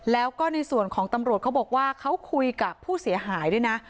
แล้วก็ในส่วนของตำรวจเขาบอกว่าเขาคุยกับผู้เสียหายด้วยนะ